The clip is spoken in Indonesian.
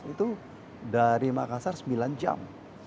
itu dari makassar sembilan jam